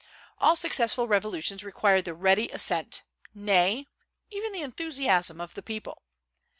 All successful revolutions require the ready assent nay, even the enthusiasm of the people.